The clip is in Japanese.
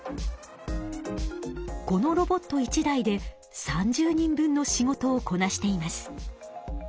このロボット１台で３０人分の仕事をこなしています。